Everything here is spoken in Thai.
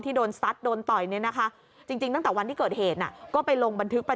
ที่โดนสัดโดนต่อยนี่นะคะ